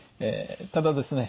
ただですね